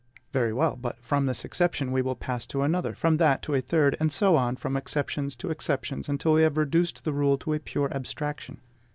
Very well; but from this exception we will pass to another, from that to a third, and so on from exceptions to exceptions, until we have reduced the rule to a pure abstraction.